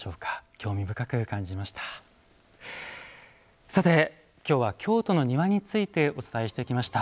興味深く感じました。